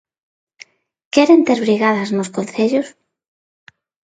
¿Queren ter brigadas nos concellos?